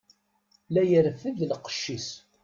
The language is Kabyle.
La yerfed lqec-is.